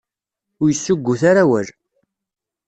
Ur yessuggut ara awal.